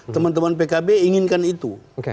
teman teman pkb inginkan itu